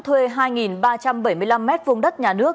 thuê hai ba trăm bảy mươi năm mét vùng đất nhà nước